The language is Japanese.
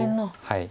はい。